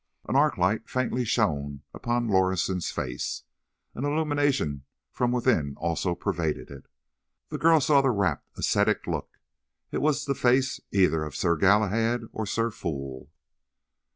An arc light faintly shone upon Lorison's face. An illumination from within also pervaded it. The girl saw the rapt, ascetic look; it was the face either of Sir Galahad or Sir Fool.